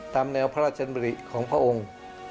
ตามแนวพระราชดำริของพระองค์